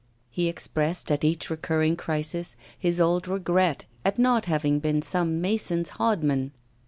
He expressed at each recurring crisis his old regret at not being some mason's hodman.